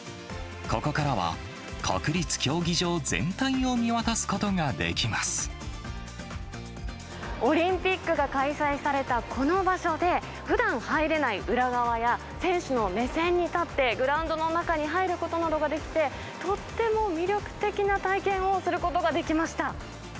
ここからは、国立競技場全体を見オリンピックが開催されたこの場所で、ふだんは入れない裏側や、選手の目線に立ってグラウンドの中に入ることなどができて、とっても魅力的な体験をすることができました。